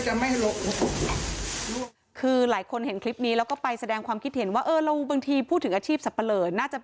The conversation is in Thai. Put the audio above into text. เจ้าที่เนี่ยเค้าก็จะเอ็นดูอ์ตุ๊สนะ